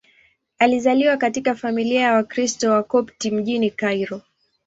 Alizaliwa katika familia ya Wakristo Wakopti mjini Kairo.